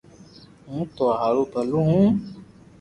ھون ٿو ھارون ڀلو ھون